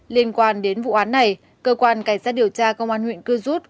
liên quan đến vụ án này cơ quan cảnh sát điều tra công an huyện cư rút